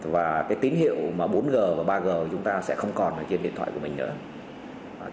và tín hiệu bốn g và ba g của chúng ta sẽ không còn trên điện thoại của mình nữa